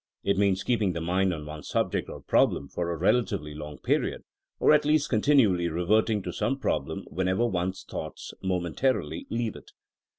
It means keep ing the mind on one subject 6r problem for a relatively long period, or at least continually reverting to some problem whenever one^s thoughts momentarily leave it.